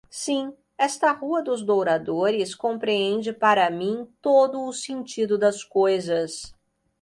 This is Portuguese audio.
Sim, esta Rua dos Douradores compreende para mim todo o sentido das coisas